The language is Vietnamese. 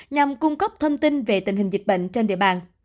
nhằm cung cấp thông tin về tình hình dịch bệnh trên địa bàn